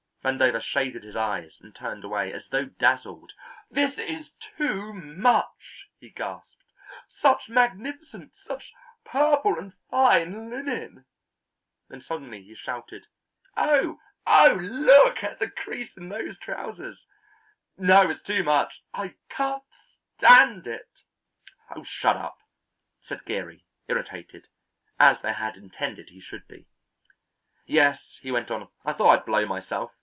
Vandover shaded his eyes and turned away as though dazzled. "This is too much," he gasped. "Such magnificence, such purple and fine linen." Then suddenly he shouted, "Oh, oh! look at the crease in those trousers. No; it's too much, I can't stand it." "Oh, shut up," said Geary, irritated, as they had intended he should be. "Yes," he went on, "I thought I'd blow myself.